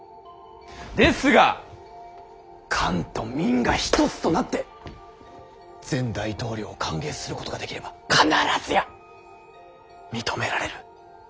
ですが官と民が一つとなって前大統領を歓迎することができれば必ずや認められる。